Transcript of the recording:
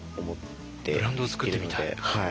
ブランドを作ってみたい？